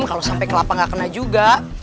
kalau sampai kelapa nggak kena juga